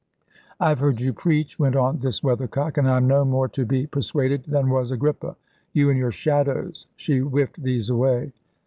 "I have heard you preach," went on this weathercock, "and I am no more to be persuaded than was Agrippa. You and your shadows" she whiffed these away.